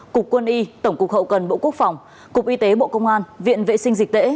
cục quân y tổng cục hậu cần bộ quốc phòng cục y tế bộ công an viện vệ sinh dịch tễ